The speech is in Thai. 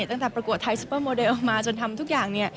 ตั้งแต่ประกวดไทยซุปเปอร์โมเดลมาจนทำทุกอย่าง